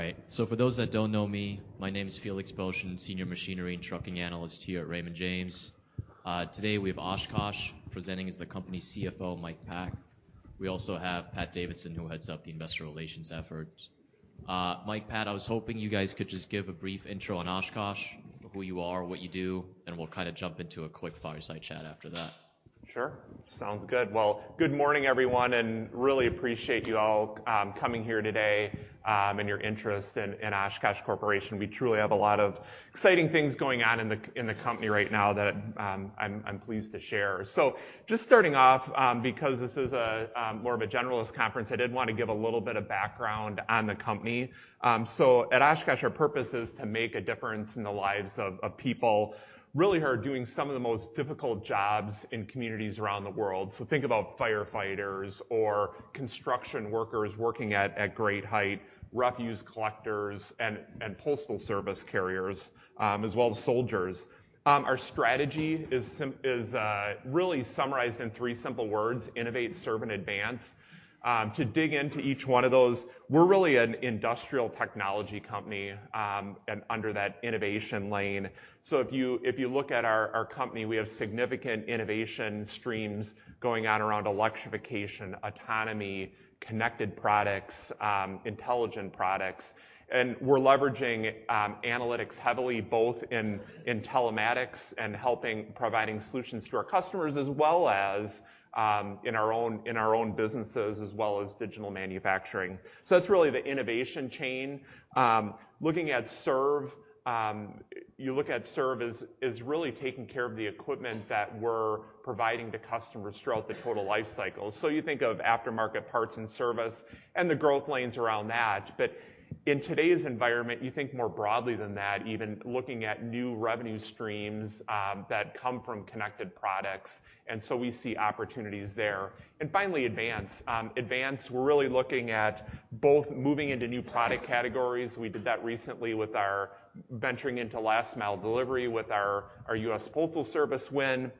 All right. So for those that don't know me, my name is Felix Boeschen, Senior Machinery and Trucking Analyst here at Raymond James. Today we have Oshkosh presenting as the company CFO, Mike Pack. We also have Pat Davidson, who heads up the investor relations efforts. Mike Pack, I was hoping you guys could just give a brief intro on Oshkosh, who you are, what you do, and we'll kind of jump into a quick fireside chat after that. Sure. Sounds good. Well, good morning, everyone, and really appreciate you all coming here today, and your interest in Oshkosh Corporation. We truly have a lot of exciting things going on in the company right now that I'm pleased to share. So just starting off, because this is a more of a generalist conference, I did want to give a little bit of background on the company. So at Oshkosh, our purpose is to make a difference in the lives of people, really who are doing some of the most difficult jobs in communities around the world. So think about firefighters or construction workers working at great height, refuse collectors, and Postal Service carriers, as well as soldiers. Our strategy is really summarized in three simple words: innovate, serve, and advance. To dig into each one of those, we're really an industrial technology company, and under that innovation lane. So if you, if you look at our, our company, we have significant innovation streams going on around electrification, autonomy, connected products, intelligent products. And we're leveraging analytics heavily, both in telematics and helping providing solutions to our customers, as well as in our own, in our own businesses, as well as digital manufacturing. So that's really the innovation chain. Looking at serve, you look at serve as really taking care of the equipment that we're providing to customers throughout the total life cycle. So you think of aftermarket parts and service and the growth lanes around that. But in today's environment, you think more broadly than that, even looking at new revenue streams that come from connected products. And so we see opportunities there. And finally, advance. Advance, we're really looking at both moving into new product categories. We did that recently with our venturing into last-mile delivery with our, our U.S. Postal Service win.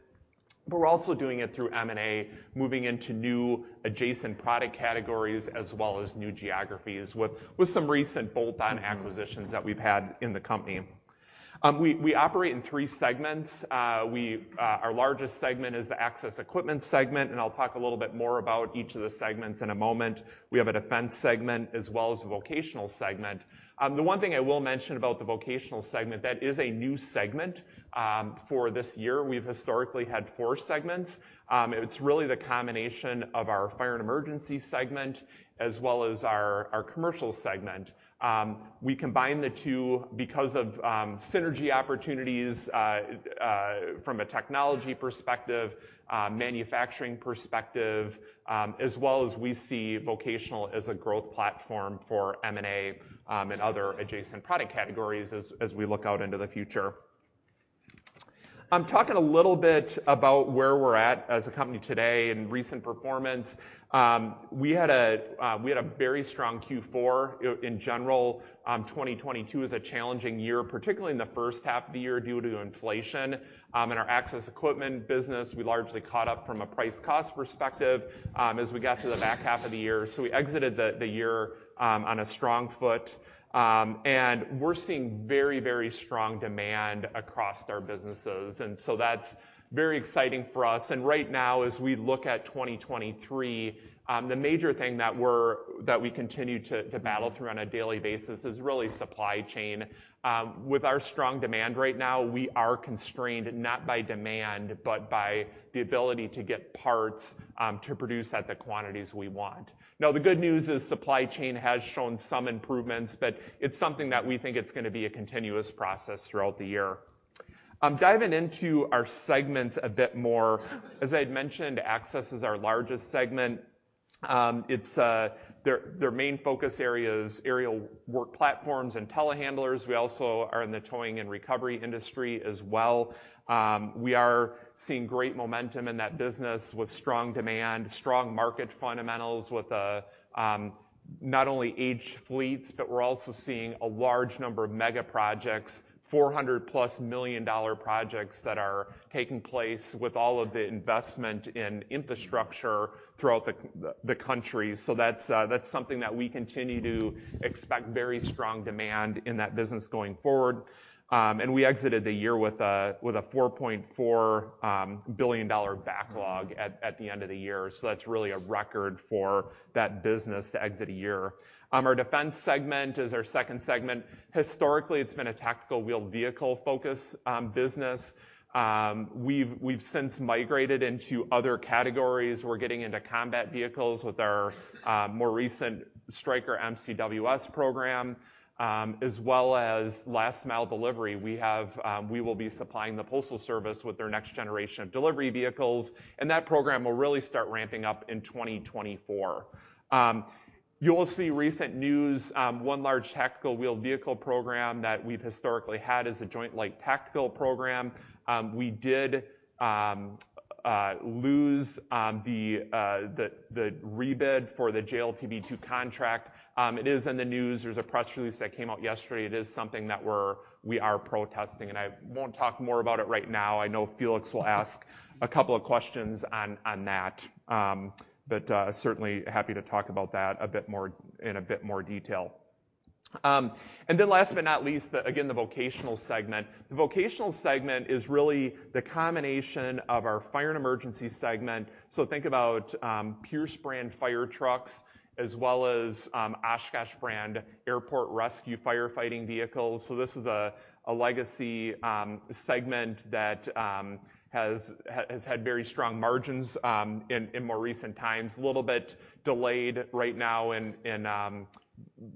But we're also doing it through M&A, moving into new adjacent product categories, as well as new geographies with, with some recent bolt-on acquisitions that we've had in the company. We, we operate in three segments. We, our largest segment is the Access Equipment segment, and I'll talk a little bit more about each of the segments in a moment. We have a Defense segment, as well as a Vocational segment. The one thing I will mention about the Vocational segment, that is a new segment, for this year. We've historically had four segments. It's really the combination of our fire and emergency segment, as well as our, our commercial segment. We combine the two because of synergy opportunities from a technology perspective, manufacturing perspective, as well as we see vocational as a growth platform for M&A, and other adjacent product categories as we look out into the future. I'm talking a little bit about where we're at as a company today and recent performance. We had a very strong Q4 in general. 2022 was a challenging year, particularly in the first half of the year due to inflation. In our access equipment business, we largely caught up from a price-cost perspective, as we got to the back half of the year. So we exited the year on a strong foot. And we're seeing very, very strong demand across our businesses. And so that's very exciting for us. Right now, as we look at 2023, the major thing that we continue to battle through on a daily basis is really supply chain. With our strong demand right now, we are constrained not by demand, but by the ability to get parts, to produce at the quantities we want. Now, the good news is supply chain has shown some improvements, but it's something that we think it's gonna be a continuous process throughout the year. Diving into our segments a bit more, as I had mentioned, access is our largest segment. It's their main focus area is aerial work platforms and telehandlers. We also are in the towing and recovery industry as well. We are seeing great momentum in that business with strong demand, strong market fundamentals with, not only aged fleets, but we're also seeing a large number of mega projects, $400+ million projects that are taking place with all of the investment in infrastructure throughout the, the country. So that's, that's something that we continue to expect very strong demand in that business going forward. We exited the year with a, with a $4.4 billion backlog at, at the end of the year. So that's really a record for that business to exit a year. Our defense segment is our second segment. Historically, it's been a tactical wheeled vehicle focus, business. We've, we've since migrated into other categories. We're getting into combat vehicles with our, more recent Stryker MCWS program, as well as last-mile delivery. We have, we will be supplying the postal service with their next generation of delivery vehicles. That program will really start ramping up in 2024. You'll see recent news. One large tactical wheeled vehicle program that we've historically had is a Joint Light Tactical Vehicle program. We did lose the rebid for the JLTV A2 contract. It is in the news. There's a press release that came out yesterday. It is something that we're protesting, and I won't talk more about it right now. I know Felix will ask a couple of questions on that. But certainly happy to talk about that a bit more in a bit more detail. And then last but not least, again, the vocational segment. The vocational segment is really the combination of our fire and emergency segment. So think about Pierce brand fire trucks, as well as Oshkosh brand airport rescue firefighting vehicles. So this is a legacy segment that has had very strong margins in more recent times. A little bit delayed right now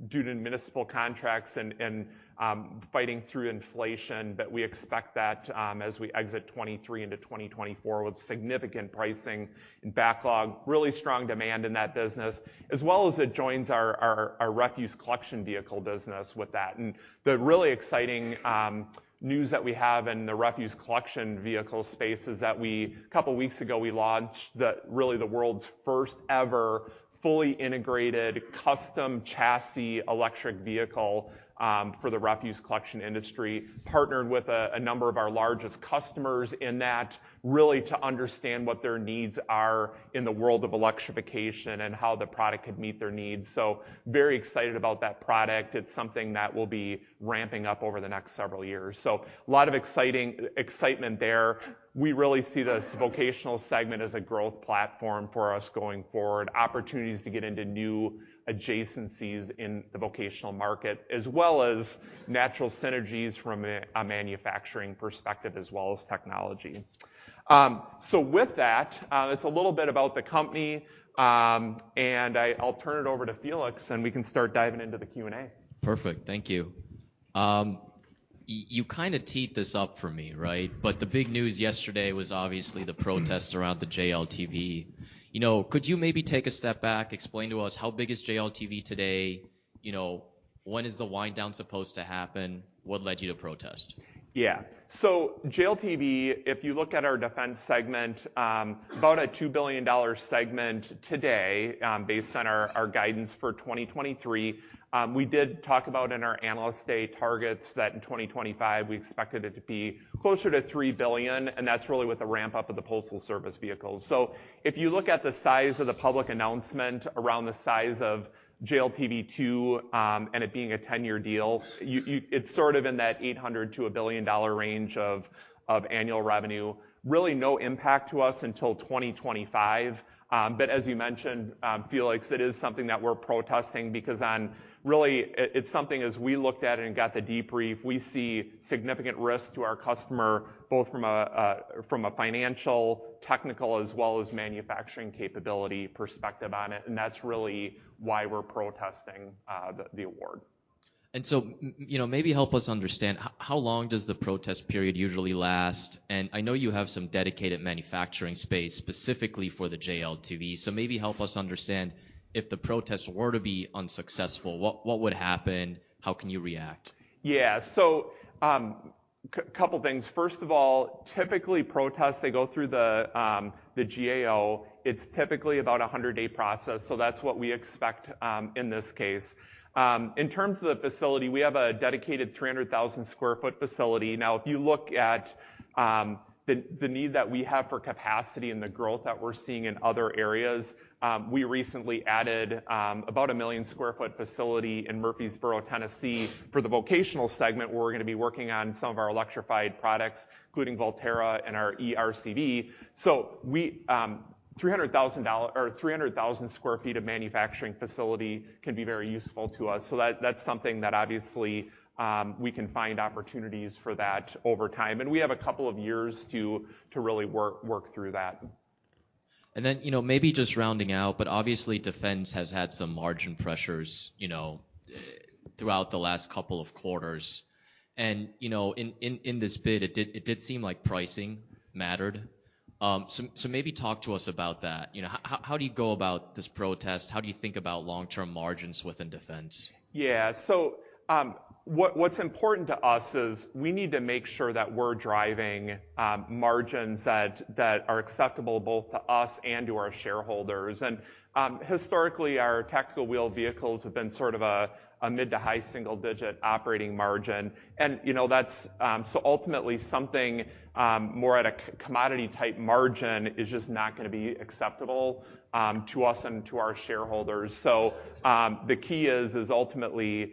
due to municipal contracts and fighting through inflation. But we expect that as we exit 2023 into 2024 with significant pricing and backlog, really strong demand in that business, as well as it joins our refuse collection vehicle business with that. The really exciting news that we have in the refuse collection vehicle space is that we, a couple of weeks ago, we launched the really the world's first ever fully integrated custom chassis electric vehicle for the refuse collection industry, partnered with a number of our largest customers in that really to understand what their needs are in the world of electrification and how the product could meet their needs. Very excited about that product. It's something that will be ramping up over the next several years. A lot of excitement there. We really see this vocational segment as a growth platform for us going forward, opportunities to get into new adjacencies in the vocational market, as well as natural synergies from a manufacturing perspective, as well as technology. With that, it's a little bit about the company, and I'll turn it over to Felix, and we can start diving into the Q&A. Perfect. Thank you. You kind of teed this up for me, right? But the big news yesterday was obviously the protest around the JLTV. You know, could you maybe take a step back, explain to us how big is JLTV today? You know, when is the wind down supposed to happen? What led you to protest? Yeah. So JLTV, if you look at our defense segment, about a $2 billion segment today, based on our guidance for 2023, we did talk about in our analyst day targets that in 2025, we expected it to be closer to $3 billion, and that's really with the ramp up of the postal service vehicles. So if you look at the size of the public announcement, around the size of JLTV2, and it being a 10-year deal, you it's sort of in that $800 million-$1 billion range of annual revenue, really no impact to us until 2025. But as you mentioned, Felix, it is something that we're protesting because on really, it's something as we looked at it and got the debrief, we see significant risk to our customer, both from a financial, technical, as well as manufacturing capability perspective on it. That's really why we're protesting the award. So, you know, maybe help us understand how, how long does the protest period usually last? And I know you have some dedicated manufacturing space specifically for the JLTV. So maybe help us understand if the protest were to be unsuccessful, what, what would happen? How can you react? Yeah. So, couple things. First of all, typically protests, they go through the GAO. It's typically about a 100-day process. So that's what we expect, in this case. In terms of the facility, we have a dedicated 300,000 sq ft facility. Now, if you look at the need that we have for capacity and the growth that we're seeing in other areas, we recently added about 1 million sq ft facility in Murfreesboro, Tennessee, for the Vocational segment where we're gonna be working on some of our electrified products, including Volterra and our ERCV. So, 300,000 sq ft of manufacturing facility can be very useful to us. So that's something that, obviously, we can find opportunities for that over time. And we have a couple of years to really work through that. And then, you know, maybe just rounding out, but obviously Defense has had some margin pressures, you know, throughout the last couple of quarters. And, you know, in this bid, it did seem like pricing mattered. So maybe talk to us about that. You know, how do you go about this protest? How do you think about long-term margins within Defense? Yeah. So, what's important to us is we need to make sure that we're driving margins that are acceptable both to us and to our shareholders. And, historically, our tactical wheeled vehicles have been sort of a mid to high single-digit operating margin. And, you know, that's, so ultimately something more at a commodity-type margin is just not gonna be acceptable to us and to our shareholders. So, the key is ultimately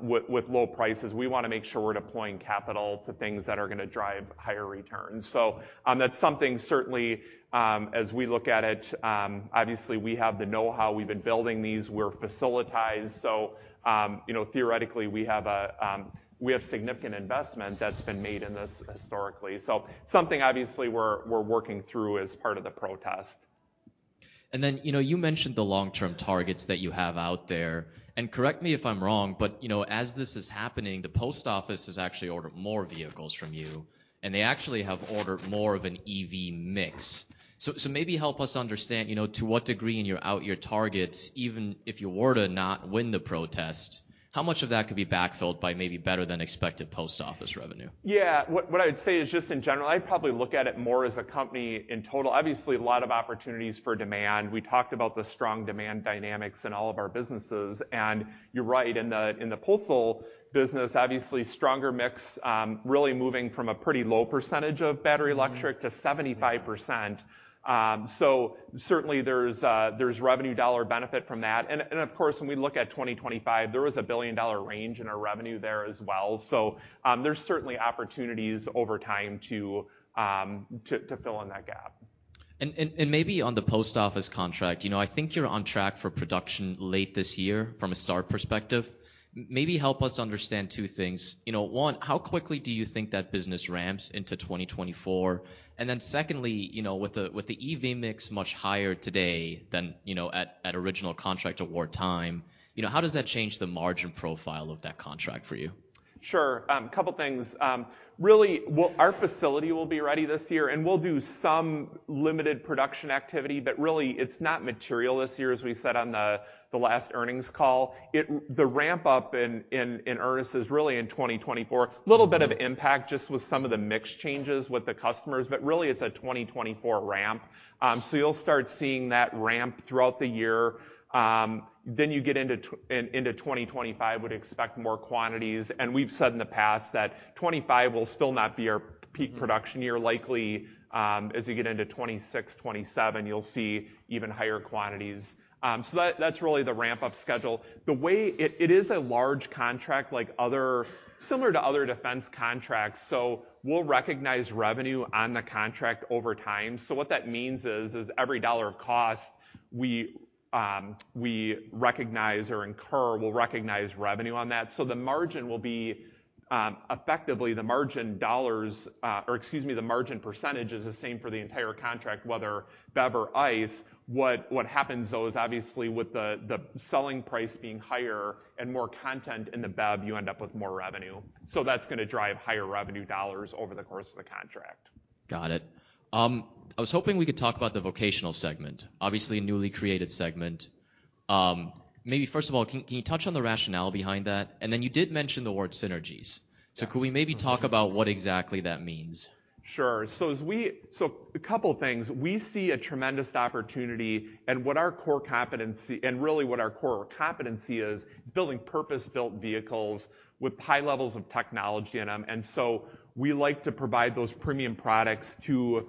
with low prices, we wanna make sure we're deploying capital to things that are gonna drive higher returns. So, that's something certainly as we look at it, obviously we have the know-how. We've been building these. We're facilitized. So, you know, theoretically, we have significant investment that's been made in this historically. So something obviously we're working through as part of the protest. And then, you know, you mentioned the long-term targets that you have out there. And correct me if I'm wrong, but, you know, as this is happening, the post office has actually ordered more vehicles from you, and they actually have ordered more of an EV mix. So, so maybe help us understand, you know, to what degree in your out year targets, even if you were to not win the protest, how much of that could be backfilled by maybe better than expected post office revenue? Yeah. What, what I would say is just in general, I'd probably look at it more as a company in total. Obviously, a lot of opportunities for demand. We talked about the strong demand dynamics in all of our businesses. And you're right, in the, in the postal business, obviously stronger mix, really moving from a pretty low percentage of battery electric to 75%. So certainly there's, there's revenue dollar benefit from that. And, and of course, when we look at 2025, there was a billion-dollar range in our revenue there as well. So, there's certainly opportunities over time to, to, to fill in that gap. Maybe on the post office contract, you know, I think you're on track for production late this year from a start perspective. Maybe help us understand two things. You know, one, how quickly do you think that business ramps into 2024? And then secondly, you know, with the, with the EV mix much higher today than, you know, at, at original contract award time, you know, how does that change the margin profile of that contract for you? Sure. A couple things. Really, well, our facility will be ready this year, and we'll do some limited production activity, but really it's not material this year, as we said on the last earnings call. The ramp up in earnest is really in 2024. A little bit of impact just with some of the mix changes with the customers, but really it's a 2024 ramp. So you'll start seeing that ramp throughout the year. Then you get into 2025, we'd expect more quantities. And we've said in the past that 2025 will still not be our peak production year. Likely, as you get into 2026, 2027, you'll see even higher quantities. So that, that's really the ramp-up schedule. The way it is a large contract, like other similar to other defense contracts. So we'll recognize revenue on the contract over time. So what that means is every dollar of cost we recognize or incur, we'll recognize revenue on that. So the margin will be, effectively the margin dollars, or excuse me, the margin percentage is the same for the entire contract, whether BEV or ICE. What happens though is obviously with the selling price being higher and more content in the BEV, you end up with more revenue. So that's gonna drive higher revenue dollars over the course of the contract. Got it. I was hoping we could talk about the Vocational segment, obviously a newly created segment. Maybe first of all, can you touch on the rationale behind that? And then you did mention the word synergies. So could we maybe talk about what exactly that means? Sure. So as we, so a couple things, we see a tremendous opportunity and what our core competency and really what our core competency is, is building purpose-built vehicles with high levels of technology in them. And so we like to provide those premium products to,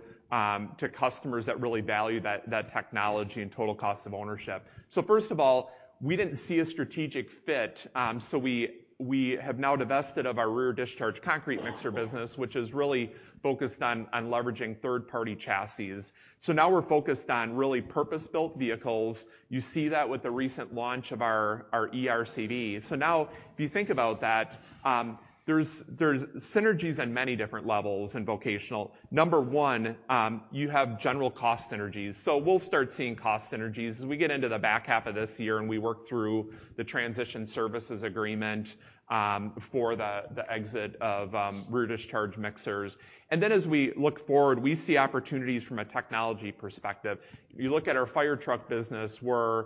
to customers that really value that, that technology and total cost of ownership. So first of all, we didn't see a strategic fit. So we, we have now divested of our rear discharge concrete mixer business, which is really focused on, on leveraging third-party chassis. So now we're focused on really purpose-built vehicles. You see that with the recent launch of our, our ERCV. So now if you think about that, there's, there's synergies on many different levels in Vocational. Number one, you have general cost synergies. So we'll start seeing cost synergies as we get into the back half of this year and we work through the transition services agreement, for the, the exit of, rear discharge mixers. And then as we look forward, we see opportunities from a technology perspective. You look at our fire truck business where,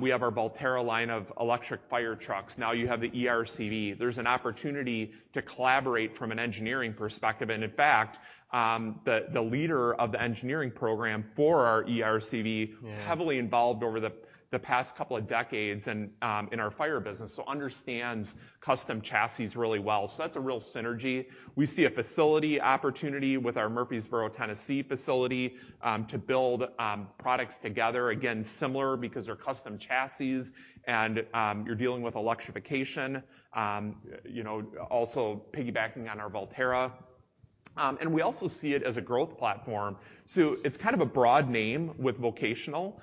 we have our Volterra line of electric fire trucks. Now you have the ERCV. There's an opportunity to collaborate from an engineering perspective. And in fact, the, the leader of the engineering program for our ERCV is heavily involved over the, the past couple of decades and, in our fire business, so understands custom chassis really well. So that's a real synergy. We see a facility opportunity with our Murfreesboro, Tennessee facility, to build, products together. Again, similar because they're custom chassis and, you're dealing with electrification, you know, also piggybacking on our Volterra. We also see it as a growth platform. It's kind of a broad name with Vocational.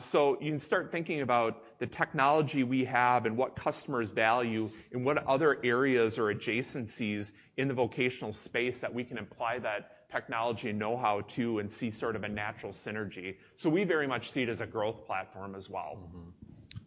So you can start thinking about the technology we have and what customers value and what other areas or adjacencies in the Vocational space that we can apply that technology and know-how to and see sort of a natural synergy. We very much see it as a growth platform as well.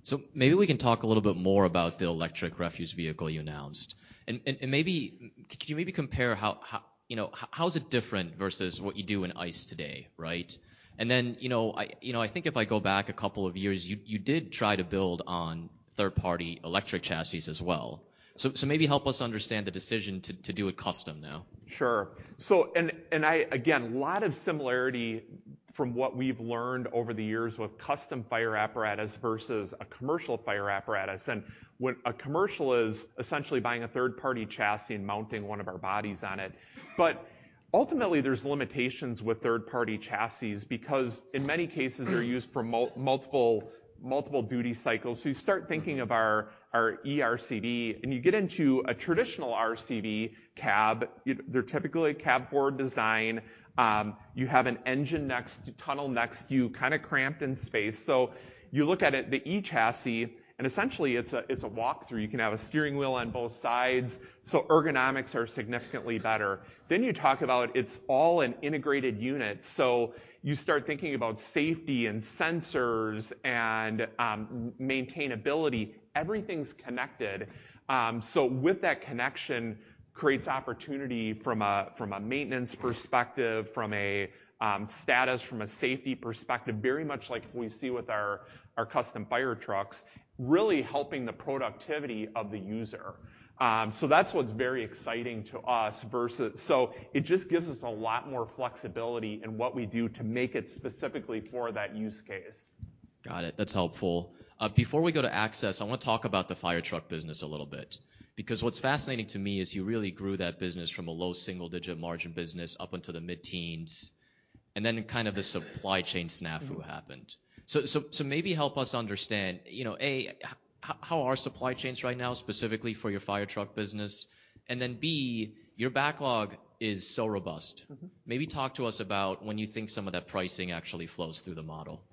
So maybe we can talk a little bit more about the electric refuse vehicle you announced. And maybe could you maybe compare how, you know, how is it different versus what you do in ICE today, right? And then, you know, I think if I go back a couple of years, you did try to build on third-party electric chassis as well. So maybe help us understand the decision to do it custom now. Sure. So, and I, again, a lot of similarity from what we've learned over the years with custom fire apparatus versus a commercial fire apparatus. And when a commercial is essentially buying a third-party chassis and mounting one of our bodies on it. But ultimately there's limitations with third-party chassis because in many cases they're used for multiple duty cycles. So you start thinking of our ERCV and you get into a traditional RCV cab, they're typically a cab-over design. You have an engine next to tunnel next to you, kind of cramped in space. So you look at it, the E chassis, and essentially it's a walkthrough. You can have a steering wheel on both sides. So ergonomics are significantly better. Then you talk about it's all an integrated unit. So you start thinking about safety and sensors and maintainability. Everything's connected. So with that connection creates opportunity from a maintenance perspective, from a status, from a safety perspective, very much like we see with our custom fire trucks, really helping the productivity of the user. So that's what's very exciting to us versus, so it just gives us a lot more flexibility in what we do to make it specifically for that use case. Got it. That's helpful. Before we go to access, I wanna talk about the fire truck business a little bit because what's fascinating to me is you really grew that business from a low single-digit margin business up until the mid-teens and then kind of the supply chain snafu happened. So, so, so maybe help us understand, you know, A, how, how are supply chains right now specifically for your fire truck business? And then B, your backlog is so robust. Maybe talk to us about when you think some of that pricing actually flows through the model.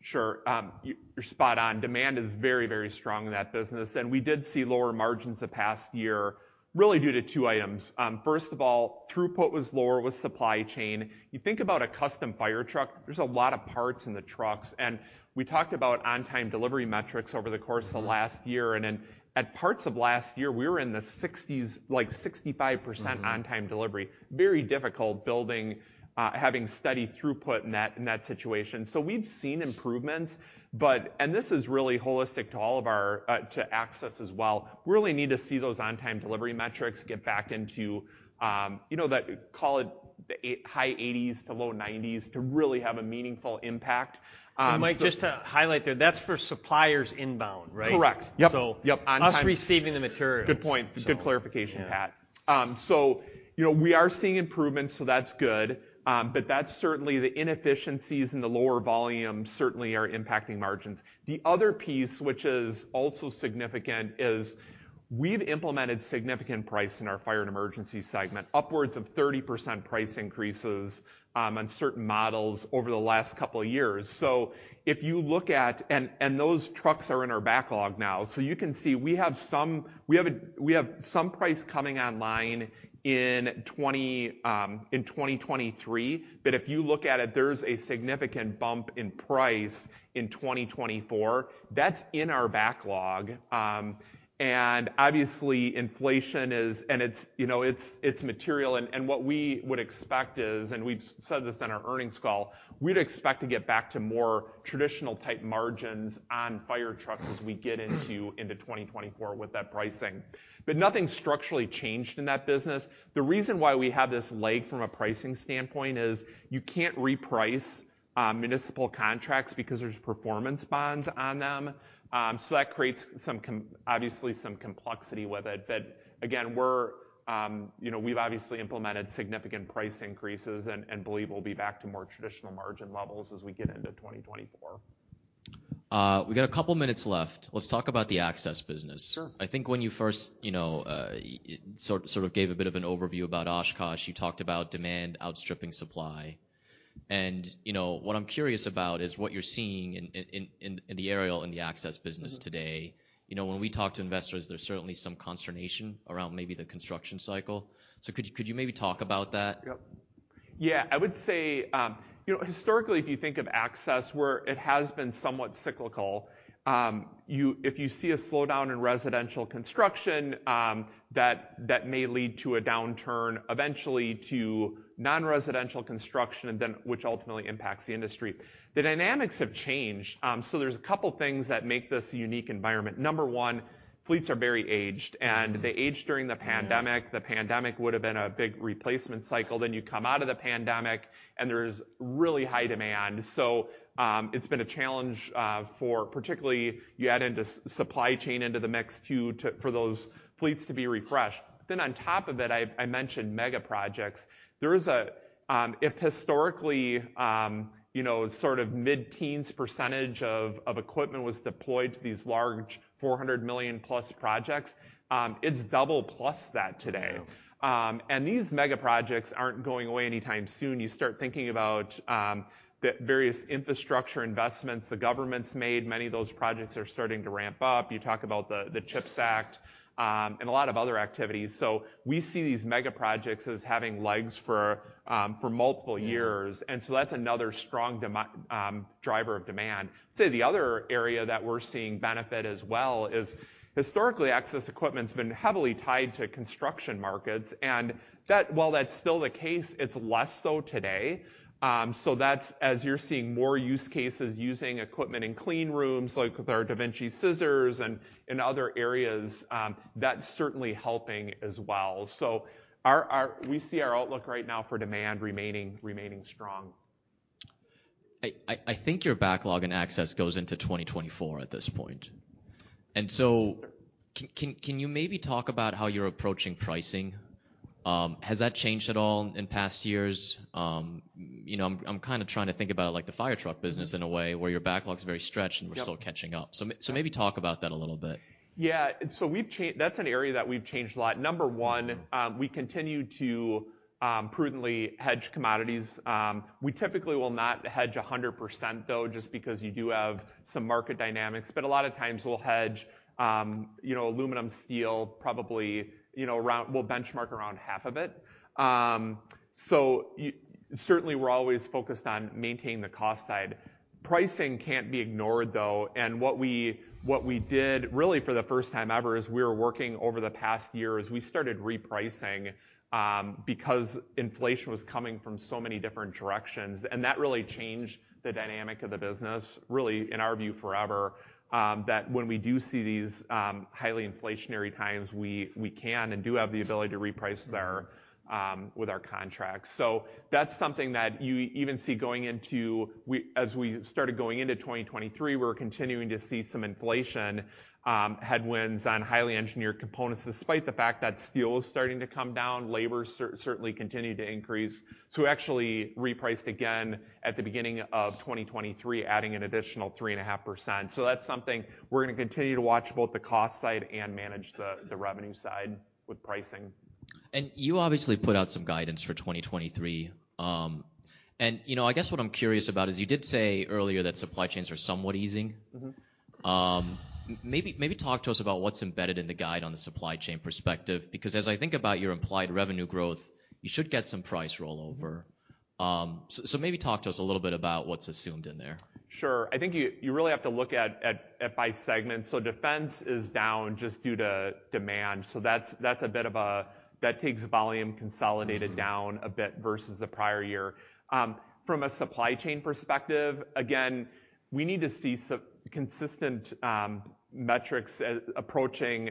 Sure. You're spot on. Demand is very, very strong in that business. And we did see lower margins the past year really due to two items. First of all, throughput was lower with supply chain. You think about a custom fire truck, there's a lot of parts in the trucks. And we talked about on-time delivery metrics over the course of the last year. And then at parts of last year, we were in the 60s, like 65% on-time delivery. Very difficult building, having steady throughput in that, in that situation. So we've seen improvements, but, and this is really holistic to all of our, to access as well. We really need to see those on-time delivery metrics get back into, you know, that call it the high 80s to low 90s to really have a meaningful impact. Mike, just to highlight there, that's for suppliers inbound, right? Correct. Yep. Yep. So us receiving the materials. Good point. Good clarification, Pack. So, you know, we are seeing improvements, so that's good. But that's certainly the inefficiencies and the lower volume certainly are impacting margins. The other piece, which is also significant, is we've implemented significant price in our fire and emergency segment, upwards of 30% price increases, on certain models over the last couple of years. So if you look at, and, and those trucks are in our backlog now. So you can see we have some, we have a, we have some price coming online in 2020, in 2023. But if you look at it, there's a significant bump in price in 2024. That's in our backlog. And obviously inflation is, and it's, you know, it's, it's material. What we would expect is, and we've said this on our earnings call, we'd expect to get back to more traditional type margins on fire trucks as we get into 2024 with that pricing. But nothing structurally changed in that business. The reason why we have this leg from a pricing standpoint is you can't reprice municipal contracts because there's performance bonds on them. So that creates some, obviously some complexity with it. But again, we're, you know, we've obviously implemented significant price increases and believe we'll be back to more traditional margin levels as we get into 2024. We got a couple minutes left. Let's talk about the access business. Sure. I think when you first, you know, sort of gave a bit of an overview about Oshkosh, you talked about demand outstripping supply. And, you know, what I'm curious about is what you're seeing in the aerial in the access business today. You know, when we talk to investors, there's certainly some consternation around maybe the construction cycle. So could you, could you maybe talk about that? Yep. Yeah. I would say, you know, historically, if you think of access where it has been somewhat cyclical, you, if you see a slowdown in residential construction, that, that may lead to a downturn eventually to non-residential construction, and then which ultimately impacts the industry. The dynamics have changed. So there's a couple things that make this a unique environment. Number one, fleets are very aged and they aged during the pandemic. The pandemic would've been a big replacement cycle. Then you come out of the pandemic and there's really high demand. So, it's been a challenge, for particularly you add into supply chain into the mix to, to for those fleets to be refreshed. Then on top of it, I, I mentioned mega projects. There is a, if historically, you know, sort of mid-teens % of equipment was deployed to these large $400 million-plus projects; it's double plus that today. These Mega Projects aren't going away anytime soon. You start thinking about the various infrastructure investments the government's made. Many of those projects are starting to ramp up. You talk about the CHIPS Act, and a lot of other activities. So we see these Mega Projects as having legs for multiple years. And so that's another strong demand driver of demand. I'd say the other area that we're seeing benefit as well is historically Access Equipment's been heavily tied to construction markets. And that, while that's still the case, it's less so today. That's as you're seeing more use cases using equipment in clean rooms like with our DaVinci scissors and other areas. That's certainly helping as well. So we see our outlook right now for demand remaining strong. I think your backlog in access goes into 2024 at this point. And so can you maybe talk about how you're approaching pricing? Has that changed at all in past years? You know, I'm kind of trying to think about it like the fire truck business in a way where your backlog's very stretched and we're still catching up. So maybe talk about that a little bit. Yeah. So we've changed, that's an area that we've changed a lot. Number one, we continue to prudently hedge commodities. We typically will not hedge 100% though, just because you do have some market dynamics. But a lot of times we'll hedge, you know, aluminum steel probably, you know, around, we'll benchmark around half of it. So you certainly we're always focused on maintaining the cost side. Pricing can't be ignored though. And what we, what we did really for the first time ever is we were working over the past year as we started repricing, because inflation was coming from so many different directions. And that really changed the dynamic of the business really in our view forever. That when we do see these highly inflationary times, we, we can and do have the ability to reprice with our, with our contracts. So that's something that you even see going into, as we started going into 2023, we're continuing to see some inflation headwinds on highly engineered components despite the fact that steel is starting to come down. Labor certainly continued to increase. So we actually repriced again at the beginning of 2023, adding an additional 3.5%. So that's something we're gonna continue to watch both the cost side and manage the revenue side with pricing. You obviously put out some guidance for 2023. You know, I guess what I'm curious about is you did say earlier that supply chains are somewhat easing. Mm-hmm. Maybe talk to us about what's embedded in the guide on the supply chain perspective, because as I think about your implied revenue growth, you should get some price rollover. So maybe talk to us a little bit about what's assumed in there. Sure. I think you really have to look at by segment. So Defense is down just due to demand. So that's a bit of a, that takes volume consolidated down a bit versus the prior year. From a supply chain perspective, again, we need to see some consistent metrics approaching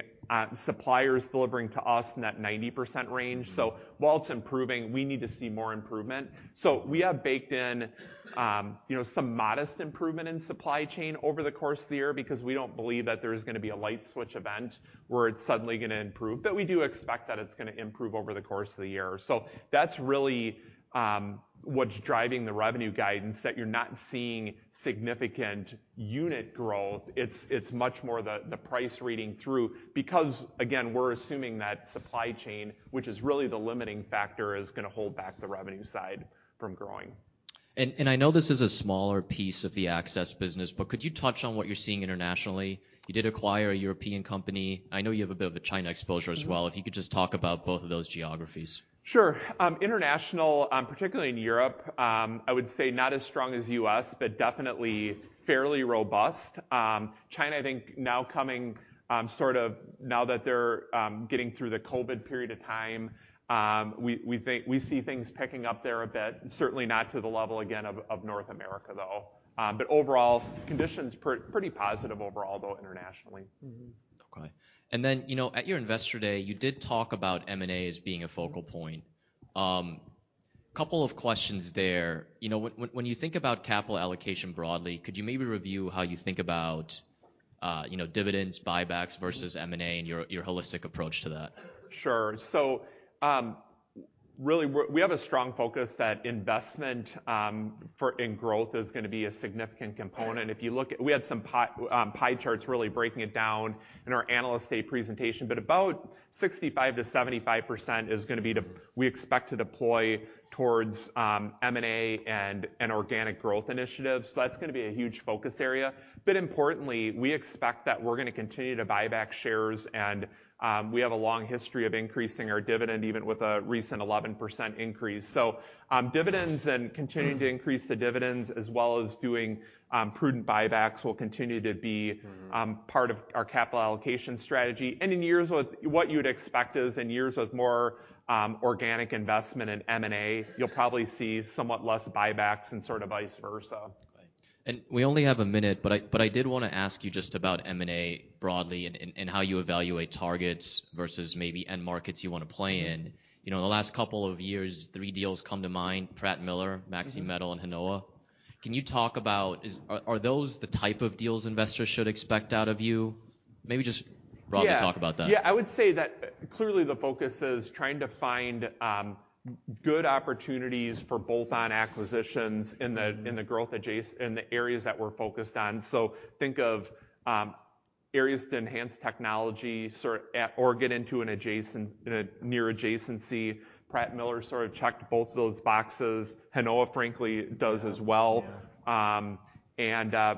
suppliers delivering to us in that 90% range. So while it's improving, we need to see more improvement. So we have baked in, you know, some modest improvement in supply chain over the course of the year because we don't believe that there's gonna be a light switch event where it's suddenly gonna improve. But we do expect that it's gonna improve over the course of the year. So that's really what's driving the revenue guidance that you're not seeing significant unit growth. It's much more the price reading through because again, we're assuming that supply chain, which is really the limiting factor, is gonna hold back the revenue side from growing. And I know this is a smaller piece of the access business, but could you touch on what you're seeing internationally? You did acquire a European company. I know you have a bit of a China exposure as well. If you could just talk about both of those geographies. Sure. International, particularly in Europe, I would say not as strong as U.S., but definitely fairly robust. China, I think now coming, sort of now that they're getting through the COVID period of time, we think we see things picking up there a bit, certainly not to the level again of North America though. Overall conditions pretty positive overall though internationally. Okay. Then, you know, at your investor day, you did talk about M&A as being a focal point. Couple of questions there. You know, when you think about capital allocation broadly, could you maybe review how you think about, you know, dividends, buybacks versus M&A and your holistic approach to that? Sure. So, really, we have a strong focus that investment in growth is gonna be a significant component. If you look at, we had some pie charts really breaking it down in our analyst day presentation, but about 65%-75% is gonna be, we expect, to deploy towards M&A and organic growth initiatives. So that's gonna be a huge focus area. But importantly, we expect that we're gonna continue to buyback shares and, we have a long history of increasing our dividend even with a recent 11% increase. So, dividends and continuing to increase the dividends as well as doing prudent buybacks will continue to be part of our capital allocation strategy. And in years with what you'd expect is in years with more organic investment in M&A, you'll probably see somewhat less buybacks and sort of vice versa. We only have a minute, but I did wanna ask you just about M&A broadly and how you evaluate targets versus maybe end markets you wanna play in. You know, in the last couple of years, three deals come to mind, Pratt Miller, Maxi-Métal, and Hinowa. Can you talk about, are those the type of deals investors should expect out of you? Maybe just broadly talk about that. Yeah. Yeah. I would say that clearly the focus is trying to find good opportunities for both on acquisitions in the growth adjacent, in the areas that we're focused on. So think of areas to enhance technology sort of at or get into an adjacent, near adjacency. Pratt Miller sort of checked both of those boxes. Hinowa frankly does as well.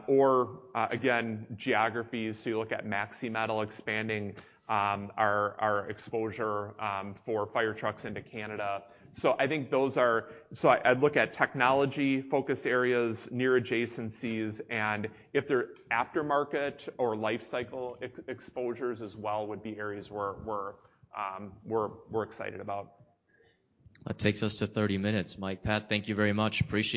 Or, again, geographies. So you look at Maxi-Métal expanding our exposure for fire trucks into Canada. So I think those are, so I look at technology focus areas, near adjacencies, and if they're aftermarket or life cycle exposures as well would be areas we're excited about. That takes us to 30 minutes, Mike Pack. Thank you very much. Appreciate.